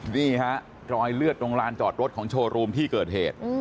นี่ฮะรอยเลือดตรงลานจอดรถของโชว์รูมที่เกิดเหตุ